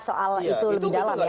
soal itu lebih dalam ya